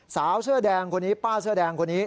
สาวเสื้อแดงคนนี้ป้าเสื้อแดงคนนี้